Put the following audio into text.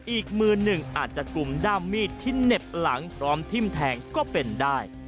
อีกมือหนึ่งอาจจะกลุ่มด้ามมีดที่เหน็บหลังพร้อมทิ้มแทงก็เป็นได้